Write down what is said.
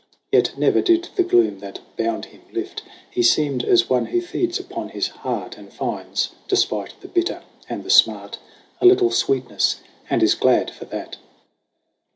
Yet never did the gloom that bound him, lift; He seemed as one who feeds upon his heart And finds, despite the bitter and the smart, A little sweetness and is glad for that.